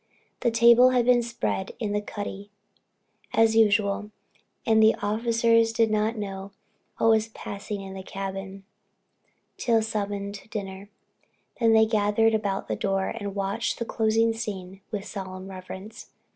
The table had been spread in the cuddy, as usual, and the officers did not know what was passing in the cabin, till summoned to dinner. Then they gathered about the door, and watched the closing scene with solemn reverence.